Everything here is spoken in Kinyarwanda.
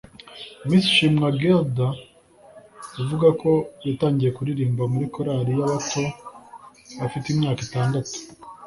Miss Shimwa Guelda uvuga ko yatangiye kuririmba muri korali y’abato afite imyaka itandatu